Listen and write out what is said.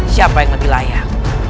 siapa yang lebih layak